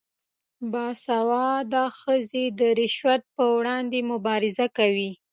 باسواده ښځې د رشوت پر وړاندې مبارزه کوي.